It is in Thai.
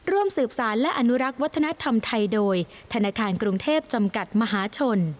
ร่วมสืบสารและอนุรักษ์วัฒนธรรมไทยโดยธนาคารกรุงเทพจำกัดมหาชน